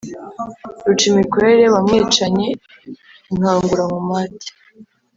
ruca-mikore wamwicanye inkangura nkomati,